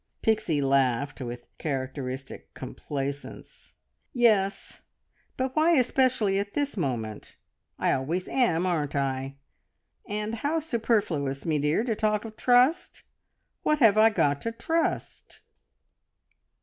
Pixie laughed with characteristic complacence. "Yes; but why especially at this moment? I always am, aren't I? And how superfluous, me dear, to talk of trust? What have I got to trust?"